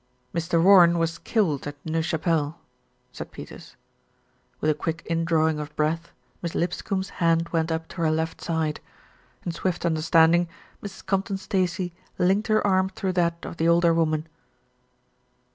"Mr. Warren was killed at Neuve Chapelle," said Peters. With a quick indrawing of breath, Miss Lipscombe's hand went up to her left side. In swift understanding, Mrs. Compton Stacey linked her arm through that of the older woman.